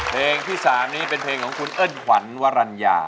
เพลงที่๓นี้เป็นเพลงของคุณเอิ้นขวัญวรรณญา